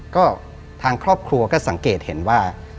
ก็ทางครอบครัวก็สังเกตเห็นว่า